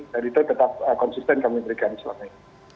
dan itu tetap konsisten kami berikan selama ini